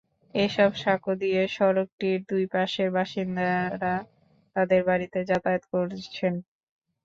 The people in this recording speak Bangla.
এসব সাঁকো দিয়ে সড়কটির দুই পাশের বাসিন্দারা তাঁদের বাড়িতে যাতায়াত করছেন।